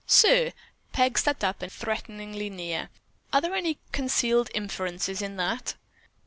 "Sir!" Peg stepped up threateningly near. "Are there any concealed inferences in that?"